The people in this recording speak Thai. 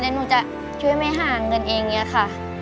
ด้วยหนูจะช่วยให้ไม่ห่างเงินเองเองเนี่ยค่ะ